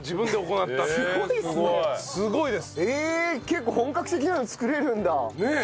結構本格的なの作れるんだ。ねえ。